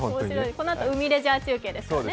このあと海レジャー中継ですね。